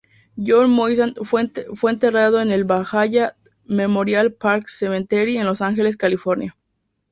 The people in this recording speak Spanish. John Moisant fue enterrado en el Valhalla Memorial Park Cemetery en Los Ángeles, California.